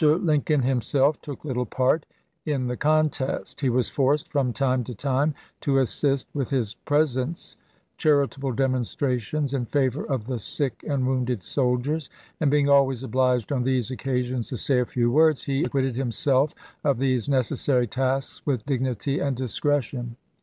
Lincoln himself took little part in the con test. He was forced, from time to time, to assist with his presence charitable demonstrations in favor of the sick and wounded soldiers ; and being always obliged on these occasions to say a few words, he acquitted himself of these necessary tasks with dignity and discretion.